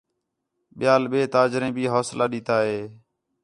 ٻِیال ٻئے تاجریں بھی حوصلہ ݙِتّا ہِے